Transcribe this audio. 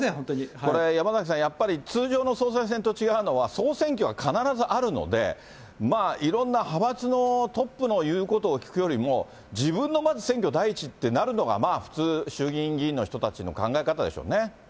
これ、山崎さん、やっぱり通常の総裁選と違うのは、総選挙は必ずあるので、まあ、いろんな派閥のトップの言うことを聞くよりも、自分のまず選挙第一ってなるのが、まあ普通、衆議院議員の人たちの考え方でしょうね。